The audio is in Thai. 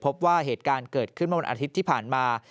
พบว่าเหตุการณ์เกิดขึ้นเมื่อวันอาทิตย์ที่ผ่านมา